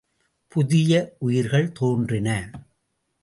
புதிய உயிர்கள் தோன்றின.